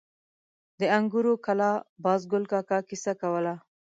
د انګورو کلا بازګل کاکا کیسه کوله.